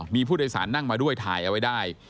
มีผู้โดยสารนั่งมาด้วยถ่ายเอาไว้ได้